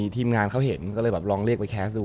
ทีมงานเขาเห็นก็เลยแบบลองเรียกไปแคสดู